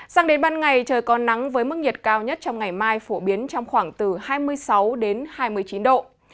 sáng đến ban ngày trời còn nắng với mức nhiệt cao nhất trong ngày mai phổ biến trong khoảng từ hai mươi sáu hai mươi chín độ